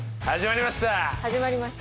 始まりました！